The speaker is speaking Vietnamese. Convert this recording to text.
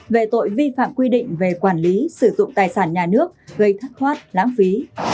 về tội vi phạm quy định về quản lý sử dụng tài sản nhà nước gây thất thoát lãng phí